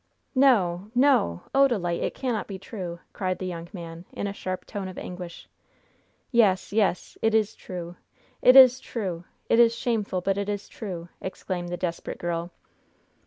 "No, no! Odalite, it cannot be true!" cried the young man, in a sharp tone of anguish. "Yes, yes! it is true! it is true! it is shameful, but it is true!" exclaimed the desperate girl.